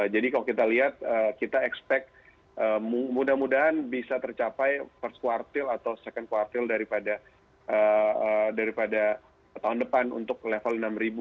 jadi kalau kita lihat kita expect mudah mudahan bisa tercapai first quartile atau second quartile daripada tahun depan untuk level enam